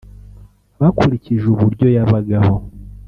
bakurikije uburyo yabagaho